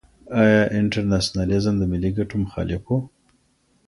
ایا انټرناسيونالېزم د ملي ګټو مخالف و؟